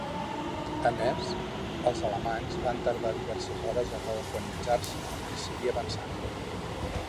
A més, els alemanys van tardar diverses hores a reorganitzar-se i seguir avançant.